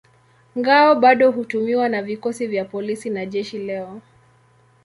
Ngao bado hutumiwa na vikosi vya polisi na jeshi leo.